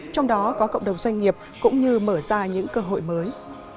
trong đó có cộng đồng doanh nghiệp cũng như mở ra những cơ hội mới